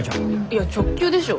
いや直球でしょ。